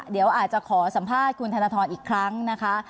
เดี๋ยวอาจจะขอสัมภาษณ์คุณธนทรอีกครั้งนะคะ